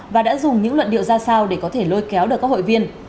và đã dùng những luận điệu ra sao để có thể lôi kéo được các hội viên